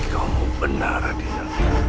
kamu benar raditya